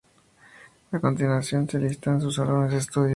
A continuación se listan sus álbumes de estudio.